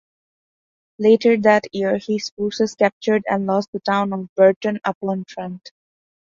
Later that year, his forces captured and lost the town of Burton upon Trent.